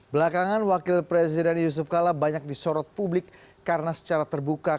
belakangan wakil presiden yusuf kala banyak disorot publik karena secara terbuka